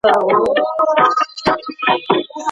له ناوړه عرفونو څخه ډډه وکړئ.